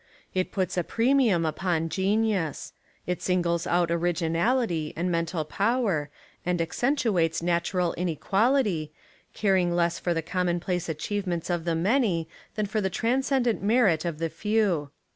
It puts a premium upon genius. It singles out originality and mental power and accentuates natural Inequality, car ing less for the commonplace achievements of the many than for the transcendent merit of the few.